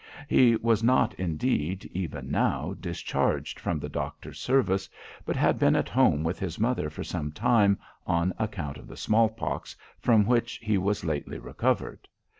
He was not, indeed, even now discharged from the doctor's service, but had been at home with his mother for some time, on account of the small pox, from which he was lately recovered.